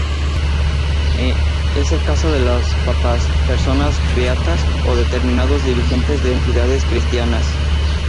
Es el caso de los papas, personas beatas o determinados dirigentes de entidades cristianas.